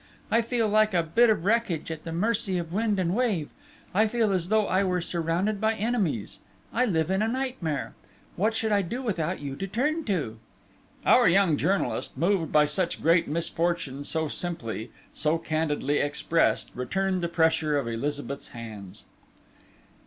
I feel like a bit of wreckage at the mercy of wind and wave; I feel as though I were surrounded by enemies: I live in a nightmare.... What should I do without you to turn to?..." Our young journalist, moved by such great misfortune so simply, so candidly expressed, returned the pressure of Elizabeth's hands.